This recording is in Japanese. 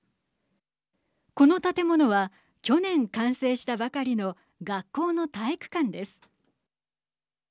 この建物は去年、完成したばかりの学校の体育館です。